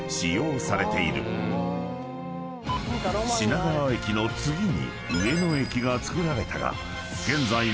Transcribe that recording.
［品川駅の次に上野駅がつくられたが］